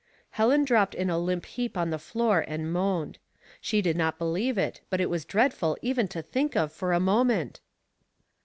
Helen dropped in a limp heap on the floor and moaned. She did not believe it, but it was dread ful even to think of for a moment.